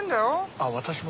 あっ私も？